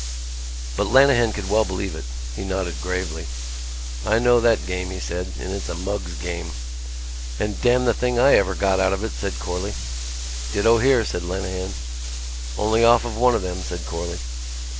But Lenehan could well believe it; he nodded gravely. "I know that game," he said, "and it's a mug's game." "And damn the thing I ever got out of it," said Corley. "Ditto here," said Lenehan. "Only off of one of them," said Corley.